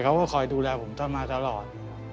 เขาก็คอยดูแลผมท่านมาตลอด